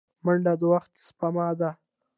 منډه د وخت سپما ده